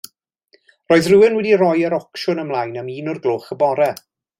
Roedd rhywun wedi rhoi yr ocsiwn ymlaen am un o'r gloch y bore.